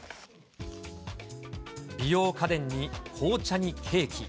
美容家電に、紅茶にケーキ。